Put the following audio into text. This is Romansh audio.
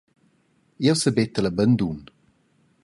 Jeu sebettel a bandun.